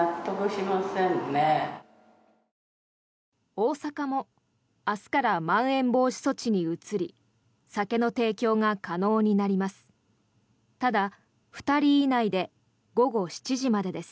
大阪も明日からまん延防止措置に移り酒の提供が可能になります。